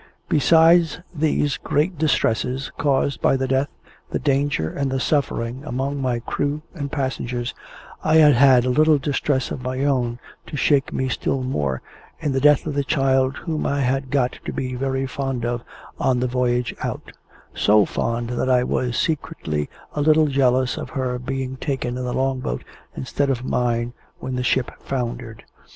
Besides these great distresses, caused by the death, the danger, and the suffering among my crew and passengers, I had had a little distress of my own to shake me still more, in the death of the child whom I had got to be very fond of on the voyage out so fond that I was secretly a little jealous of her being taken in the Long boat instead of mine when the ship foundered.